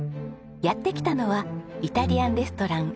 やって来たのはイタリアンレストラン